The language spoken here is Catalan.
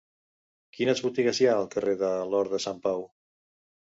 Quines botigues hi ha al carrer de l'Hort de Sant Pau?